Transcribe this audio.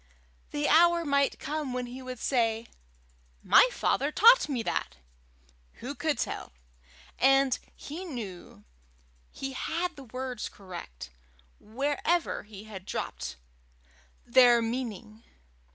The hour might come when he would say, "My father taught me that!" who could tell? And he knew he had the words correct, wherever he had dropped their meaning.